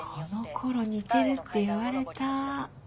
このころ似てるって言われた。